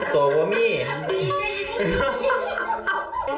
ขอผิดให้หน่อย